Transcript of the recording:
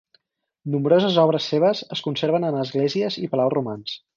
Nombroses obres seves es conserven en esglésies i palaus romans.